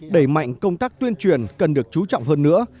đẩy mạnh công tác tuyên truyền cần được chú trọng hơn nữa